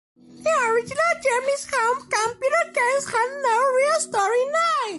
The original Japanese home computer games had no real storyline.